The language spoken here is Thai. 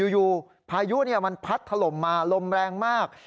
พายุมันพัดถล่มมาลมแรงมาก